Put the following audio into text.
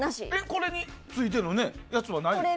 これについてるやつはないの？